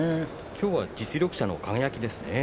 今日は実力者の輝ですね。